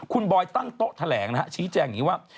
คุณบอยตั้งโต๊ะแถลงนะฮะชี้แจงอย่างนี้ว่า